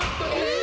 え！